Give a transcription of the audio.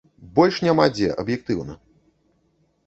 Больш няма дзе, аб'ектыўна.